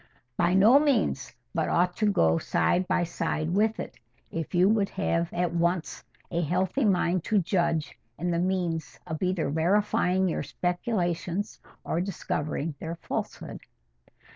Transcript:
"By no means: but ought to go side by side with it, if you would have at once a healthy mind to judge and the means of either verifying your speculations or discovering their falsehood."